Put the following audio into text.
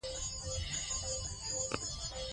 مور د ماشومانو د غاښونو د خرابیدو مخه نیسي.